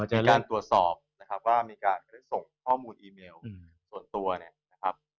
จากการตรวจสอบนะครับว่ามีการส่งข้อมูลอีเมลส่วนตัวเนี่ยนะครับ